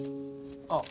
あっ。